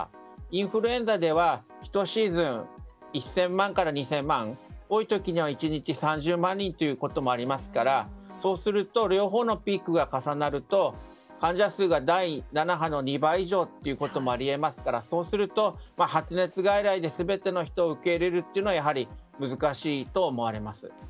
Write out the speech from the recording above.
インフルエンザでは１シーズン、１０００万人から２０００万人、多い時には１日に３０万人ということもあるので両方のピークが重なると患者数が第７波の２倍以上ということもあり得ますからそうすると発熱外来で全ての人を受け入れるのはやはり難しいと思われます。